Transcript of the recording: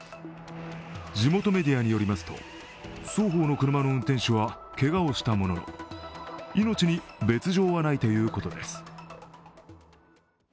地元メディアによりますと双方の車の運転手はけがをしたものの、命に別状はないということです。